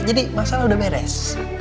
jadi masalah udah beres